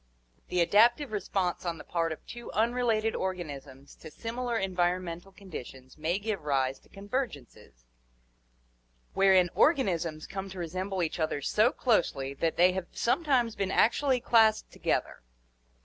The adaptive response on the part of two unrelated organisms to similar environmental conditions may give rise to convergences, wherein organisms come to resemble each other so closely that they have sometimes been actually classed together.